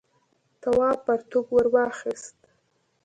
تواب پرتوگ ور واخیست.